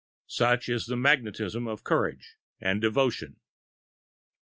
Such is the magnetism of courage and devotion.